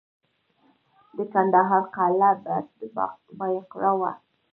د کندهار قلعه بست د بایقرا وه